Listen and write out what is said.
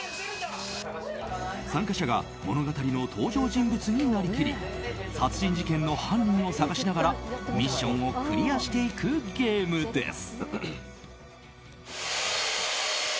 参加者が物語の登場人物になりきり殺人事件の犯人を探しながらミッションをクリアしていくゲームです。